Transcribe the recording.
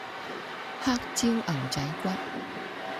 黑椒牛仔骨